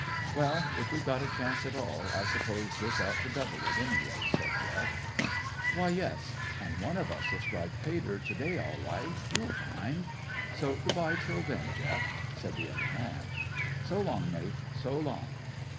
"Well, if we've got a chance at all, I guess this ought to double it, anyway," said Jeff. "Why, yes; and one of us'll strike pay dirt to day all right, you'll find. So good bye till then, Jeff," said the other man. "So long, mate; so long!"